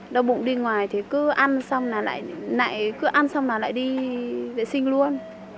đau bụng đi ngoài thì cứ ăn xong là lại đi vệ sinh luôn